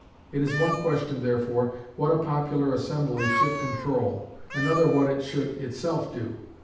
It is one question, therefore, what a popular assembly should control, another what it should itself do.